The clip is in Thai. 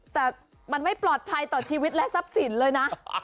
แต่มันไม่ปลอดภัยต่อชีวิตและทรัพย์สินเลยนะ